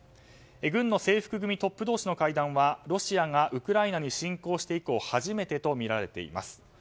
軍の制服組トップ同士の会談はロシアがウクライナに侵攻して以降初めてとみられています。